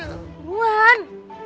tunggu aku mau jalan